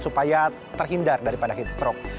supaya terhindar daripada heat stroke